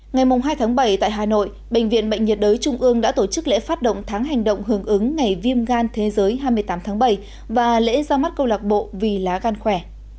ngày hai tháng bảy tại hà nội bệnh viện bệnh nhiệt đới trung ương đã tổ chức lễ phát động tháng hành động hưởng ứng ngày viêm gan thế giới hai mươi tám tháng bảy và lễ ra mắt câu lạc bộ vì lá gan khỏe